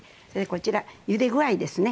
こちらゆで具合ですね。